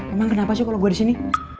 emang kenapa sih kalo gue disini